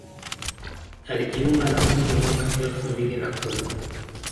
Alijiunga na bunge mwaka elfu mbili na kumi